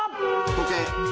時計。